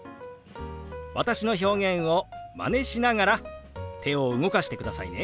私の表現をマネしながら手を動かしてくださいね。